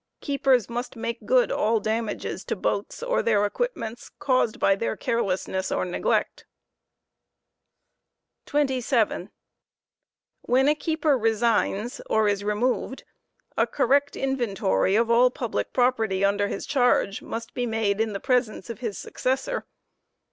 Keepers must make, good all damages to boats or their equipments caused by their carelessness or neglect. • 27. When a keeper resigns or is removed, a correct inventory of aUpubUc property ke 0hftn * i) of under his charge must be made in the presence of his successor.